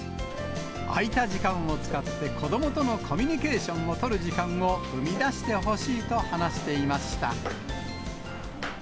空いた時間を使って、子どもとのコミュニケーションを取る時間を生み出してほしいと話していました。